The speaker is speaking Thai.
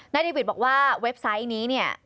แน่เดวิดบอกว่าเว็บไซต์นี้เนี่ย